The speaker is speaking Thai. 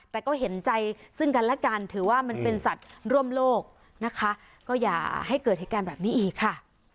แต่ก็เห็นใจซึ่งกันและกันถือว่ามันเป็นสัตว์ร่วมโลกนะคะก็อย่าให้เกิดเหตุการณ์แบบนี้อีกค่ะ